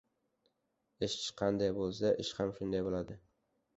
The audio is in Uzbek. • Ishchi qanday bo‘lsa, ish ham shunday bo‘ladi.